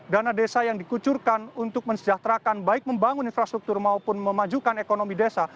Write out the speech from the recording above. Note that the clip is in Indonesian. dan dana desa yang dikucurkan untuk mensejahterakan baik membangun infrastruktur maupun memajukan ekonomi desa